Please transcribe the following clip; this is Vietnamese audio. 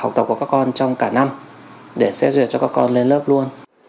học tập của các con trong cả năm để xét duyệt cho các con lên lớp luôn